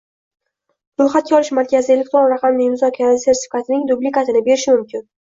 ro‘yxatga olish markazi elektron raqamli imzo kaliti sertifikatining dublikatini berishi mumkin.